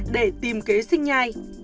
để tìm kế sinh nhai